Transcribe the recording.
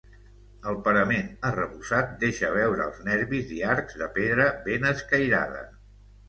El parament arrebossat deixa veure els nervis i arcs de pedra ben escairada.